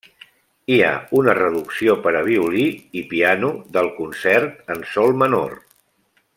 Hi ha una reducció per a violí i piano del concert en sol menor.